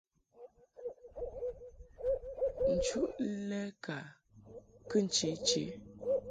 Nchuʼ lɛ laʼ kɨ che che.